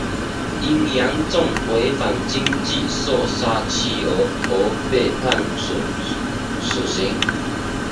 因严重违反军纪射杀妻儿而被判处死刑。